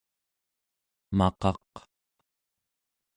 maqaq